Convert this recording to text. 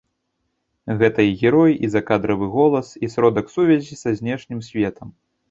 Гэта і герой, і закадравы голас, і сродак сувязі са знешнім светам.